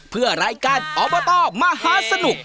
เพื่อรายการออบเบอร์ตอบมหาสนุก